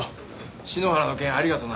篠原の件ありがとな。